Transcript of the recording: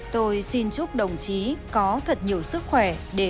tôi xin chúc đồng chí có thật nhiều sức khỏe để